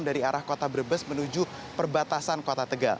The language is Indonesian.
dari arah kota brebes menuju perbatasan kota tegal